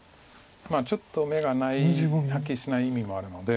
ちょっと眼がないはっきりしない意味もあるので。